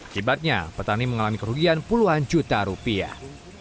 akibatnya petani mengalami kerugian puluhan juta rupiah